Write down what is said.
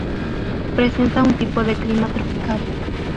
Presenta un tipo de clima tropical.